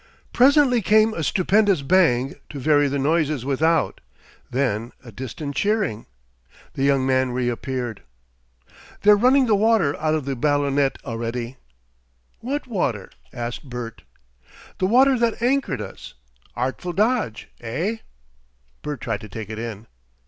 Presently came a stupendous bang to vary the noises without, then a distant cheering. The young man re appeared. "They're running the water out of the ballonette already." "What water?" asked Bert. "The water that anchored us. Artful dodge. Eh?" Bert tried to take it in.